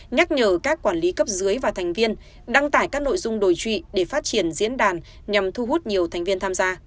nhắc nhở các quản lý cấp dưới và thành viên đăng tải các nội dung đổi trụy để phát triển diễn đàn nhằm thu hút nhiều thành viên tham gia